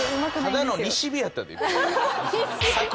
ただの西日やったで。